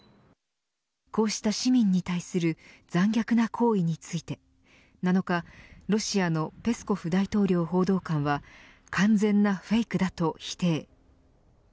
こうした市民に対する残虐な行為について７日、ロシアのペスコフ大統領報道官は完全なフェイクだと否定。